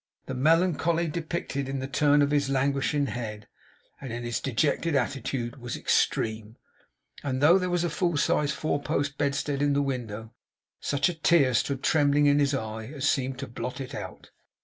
The melancholy depicted in the turn of his languishing head, and in his dejected attitude, was extreme; and though there was a full sized four post bedstead in the window, such a tear stood trembling in his eye as seemed to blot it out.